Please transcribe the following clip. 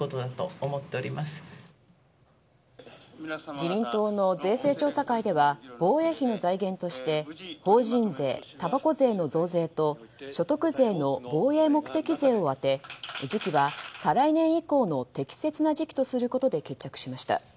自民党の税制調査会では防衛費の財源として法人税、たばこ税の増税と所得税の防衛目的税を充て時期は再来年以降の適切な時期とすることで決着しました。